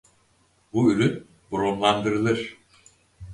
Bu ürün bromlandırılır.